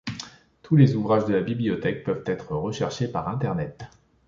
Tous les ouvrages de la bibliothèque peuvent être recherchés par Internet.